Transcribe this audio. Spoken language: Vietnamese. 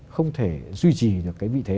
không thể duy trì được cái vị thế